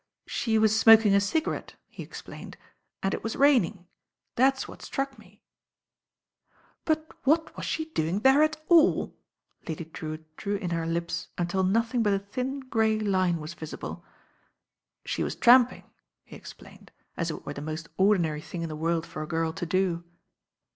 "She was smoking a cigarette," he explained, "and it was raining. That's what struck me " "But what was she doing there at all?" Lady Drewitt drew in her lips until nothing but a thin, grey line was visible. "She was tramping," he explained, as if it were the most ordinary thing in the world for a girl to do.